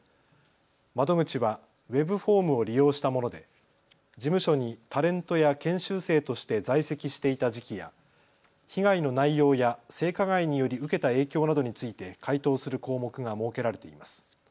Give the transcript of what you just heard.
窓口はウェブフォームを利用したもので、事務所にタレントや研修生として在籍していた時期や被害の内容や性加害により受けた影響などについて回答する項目が設けられています。